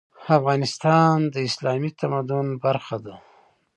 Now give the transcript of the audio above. افغانستان د اسلامي تمدن برخه ده.